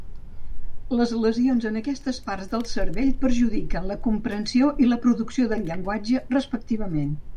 Les lesions en aquestes parts del cervell perjudiquen la comprensió i la producció del llenguatge, respectivament.